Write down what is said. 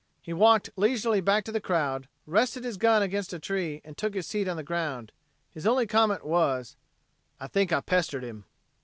He walked leisurely back to the crowd, rested his gun against a tree and took his seat on the ground. His only comment was: "I think I pestered him."